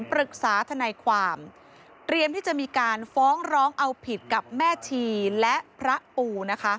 ทนายความเตรียมที่จะมีการฟ้องร้องเอาผิดกับแม่ชีและพระปูนะคะ